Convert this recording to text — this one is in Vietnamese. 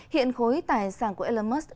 hiện khối tài sản của elon musk